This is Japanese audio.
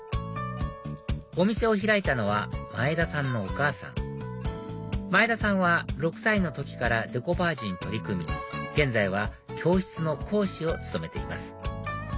お店を開いたのは前田さんのお母さん前田さんは６歳の時からデコパージュに取り組み現在は教室の講師を務めています